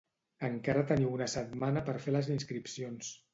Encara teniu una setmana per fer les inscripcions.